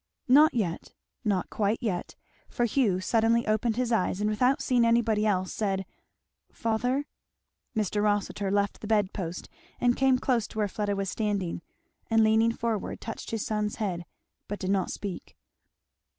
Not yet not quite yet; for Hugh suddenly opened his eyes and without seeing anybody else, said, "Father " Mr. Rossitur left the bed post and came close to where Fleda was standing, and leaning forward, touched his son's head, but did not speak.